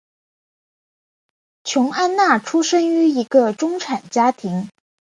琼安娜出生于一个中产家庭。